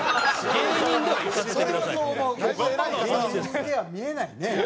芸人には見えないね。